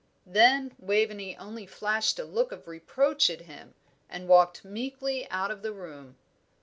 Then Waveney only flashed a look of reproach at him, and walked meekly out of the room.